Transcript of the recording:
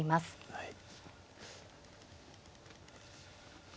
はい。